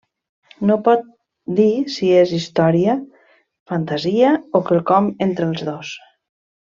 No pot dir si és història, fantasia, o quelcom entre els dos.